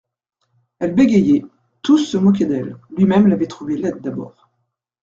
Elle bégayait, tous se moquaient d'elle, lui-même l'avait trouvée laide d'abord.